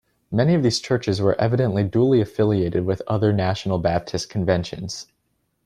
Many of these churches were evidently dually affiliated with other National Baptist conventions.